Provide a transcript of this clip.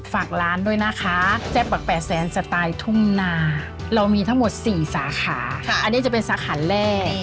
ฝากร้านด้วยนะคะแซ่บัก๘แสนสไตล์ทุ่งนาเรามีทั้งหมด๔สาขาอันนี้จะเป็นสาขาแรก